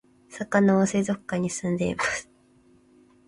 さかなは水族館に住んでいます